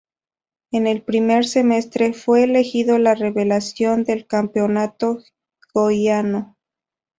En el primer semestre, fue elegido la revelación del Campeonato Goiano.